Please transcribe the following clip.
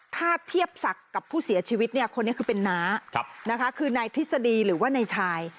ถ้าเทียบศักดิ์กับผู้เสียชีวิตเนี่ยคนนี้คือเป็นน้านะคะคือนายทฤษฎีหรือว่านายชาย